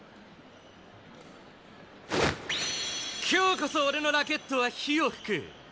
今日こそ俺のラケットは火を吹く。